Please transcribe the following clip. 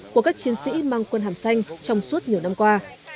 của các chiến sĩ mang quân hàm xanh trong suốt nhiều năm qua